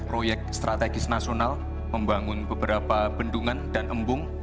proyek strategis nasional membangun beberapa bendungan dan embung